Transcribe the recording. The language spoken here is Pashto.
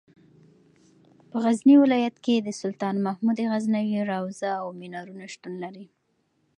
په غزني ولایت کې د سلطان محمود غزنوي روضه او منارونه شتون لري.